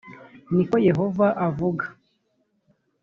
ni ko yehova avuga